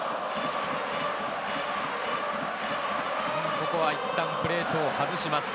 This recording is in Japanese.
ここはいったんプレートを外します。